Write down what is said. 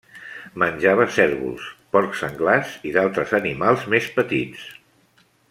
Menjava cérvols, porcs senglars i d'altres animals més petits.